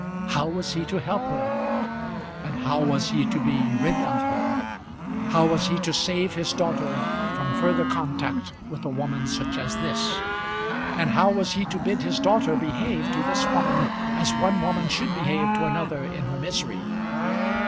How was he to help her? And how was he to be rid of her? How was he to save his daughter from further contact with a woman such as this? And how was he to bid his daughter behave to this woman as one woman should behave to another in her misery?